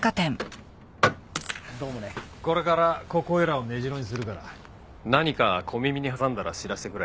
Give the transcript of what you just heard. これからここいらを根城にするから何か小耳に挟んだら知らせてくれ。